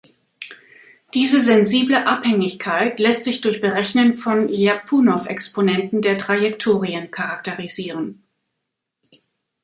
Diese sensible Abhängigkeit lässt sich durch Berechnen von Ljapunow-Exponenten der Trajektorien charakterisieren.